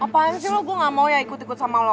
apa aja sih lo gue gak mau ya ikut ikut sama lo